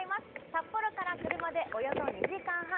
札幌から車でおよそ２時間半